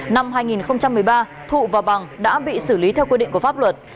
năm hai nghìn một mươi ba thụ và bằng đã bị xử lý theo quy định của pháp luật